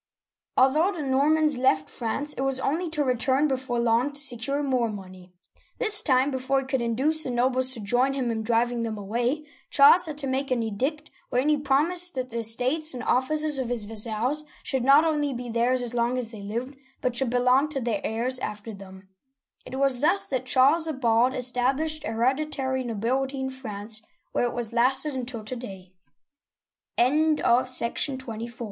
Although the Normans left France, it was only to re turn before long to secure more money. This time, before he could induce the nobles to join him in driving them away, Charles had to make an edict, wherein he promised that the estates and offices of his vassals should not only be theirs as long as they lived, but should belong to their heirs after them. It was thus that Charles the Bald established hereditary nobility in France, where it has lasted until to day.